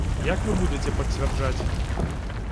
Як вы будзеце пацвярджаць?